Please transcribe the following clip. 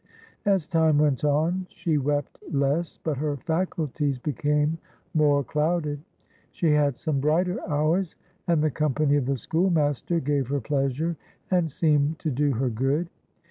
As time went on, she wept less, but her faculties became more clouded. She had some brighter hours, and the company of the schoolmaster gave her pleasure, and seemed to do her good.